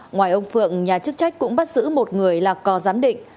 ngoài ông phượng nhà chức trách cũng bắt giữ một người là cò giám định